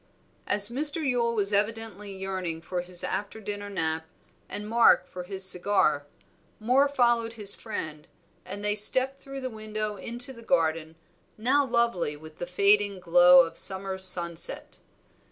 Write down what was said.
As Mr. Yule was evidently yearning for his after dinner nap, and Mark for his cigar, Moor followed his friend, and they stepped through the window into the garden, now lovely with the fading glow of summer sunset.